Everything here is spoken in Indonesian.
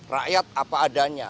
rakyat apa adanya